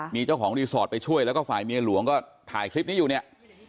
มีเจ้าของรีสอร์ทไปช่วยแล้วก็ฝ่ายเมียหลวงก็ถ่ายคลิปนี้อยู่เนี่ย